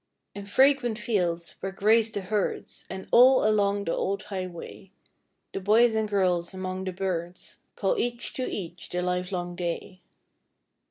In fragrant fields where graze the herds And all along the old highway, The boys and girls among the birds Call each to each the livelong day.